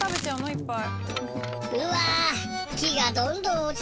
いっぱい。